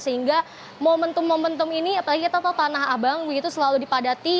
sehingga momentum momentum ini apalagi kita tahu tanah abang begitu selalu dipadati